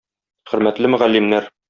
Хөрмәтле мөгаллимнәр!